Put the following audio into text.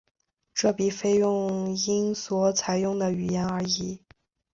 这笔费用因所采用的语言而异。